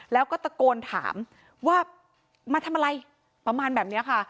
แล้วก็ตะโกนถามว่ามาทำอะไรประมาณแบบนี้ค่ะ